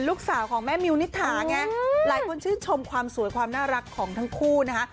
ลูกสาวของแม่มิวนิถาไงหลายคนชื่นชมความสวยความน่ารักของทั้งคู่นะคะ